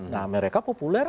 nah mereka populer